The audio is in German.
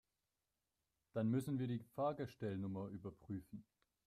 Dann müssen wir die Fahrgestellnummer überprüfen.